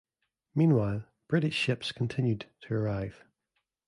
Meanwhile, British ships continued to arrive.